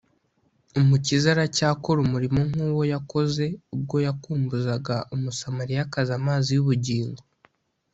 Umukiza aracyakora umurimo nk’uwo yakoze ubwo yakumbuzaga Umusamariyakazi amazi y’ubugingo